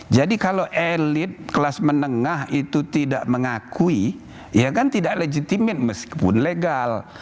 jadi kalau elit kelas menengah itu tidak mengakui ya kan tidak legitimin meskipun legal